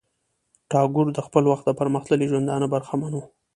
ټاګور د خپل وخت د پرمختللی ژوندانه برخمن وو.